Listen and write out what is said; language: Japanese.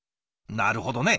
なるほどね。